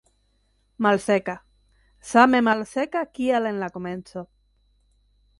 Malseka, same malseka kiel en la komenco.